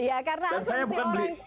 dan saya bukan beli